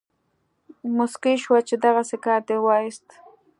موسکی شو چې دغسې کار دې وایست.